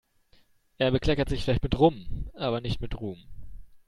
Er bekleckert sich vielleicht mit Rum, aber bestimmt nicht mit Ruhm.